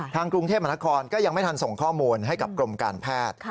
กรุงเทพมหานครก็ยังไม่ทันส่งข้อมูลให้กับกรมการแพทย์